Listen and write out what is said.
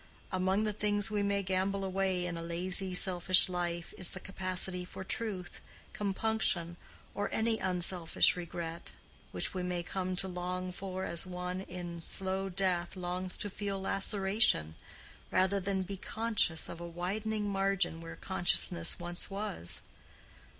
Among the things we may gamble away in a lazy selfish life is the capacity for ruth, compunction, or any unselfish regret—which we may come to long for as one in slow death longs to feel laceration, rather than be conscious of a widening margin where consciousness once was.